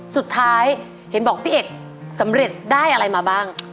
สุดท้ายเห็นบอกพี่เอกสำเร็จได้อะไรมาบ้าง